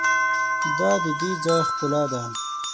دا د دې ځای ښکلا ده.